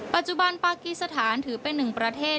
ปัจจุบันปากีสถานถือเป็นหนึ่งประเทศ